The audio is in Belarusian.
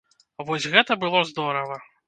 Вось гэта было здорава!